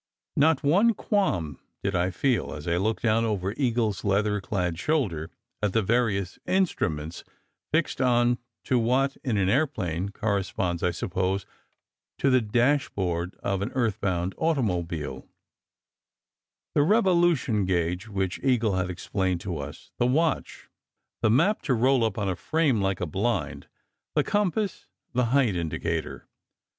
Not one qualm did I feel as I looked down over Eagle s leather clad shoulder at the various instruments fixed on to what in an aeroplane corresponds, I suppose, to the dashboard of an earth bound automobile: the revolution gauge, which Eagle had explained to us; the watch; the map to roll up on a frame, like a blind; the com pass, the height indicator.